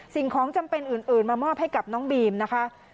สิ่งของจำเป็นอื่นมามอบให้กับน้องบีมนะคะ